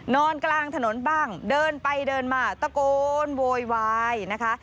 นอนกลางถนนบ้างเดินไปเดินมาตะโกนโวยวายนะคะ